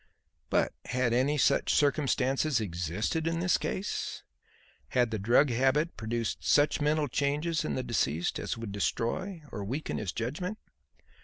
But had any such circumstances existed in this case? Had the drug habit produced such mental changes in the deceased as would destroy or weaken his judgment?